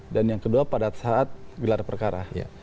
dan yang kedua pada saat gelar perkara